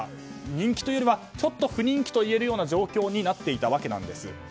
人気というよりはちょっと不人気といえる状況になっていたわけです。